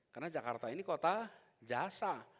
karena jakarta ini kota jasa